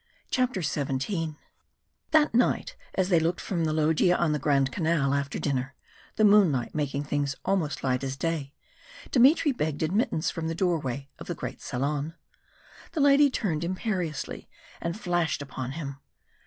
CHAPTER XVII That night, as they looked from the loggia on the Grand Canal after dinner, the moonlight making things almost light as day, Dmitry begged admittance from the doorway of the great salon. The lady turned imperiously, and flashed upon him.